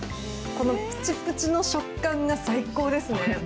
このプチプチの食感が最高ですね！